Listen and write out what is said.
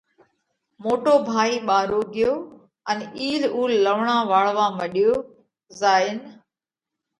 موٽو ڀائِي ٻارو ڳيو ان اِيل اُول لوَڻا واۯوَا مڏيو زائين